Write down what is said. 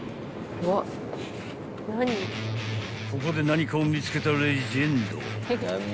［ここで何かを見つけたレジェンド］